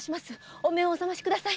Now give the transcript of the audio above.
お目をお覚ましください！